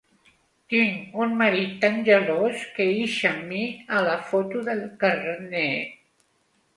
Tinc un marit tan gelós que ix amb mi a la foto del carnet.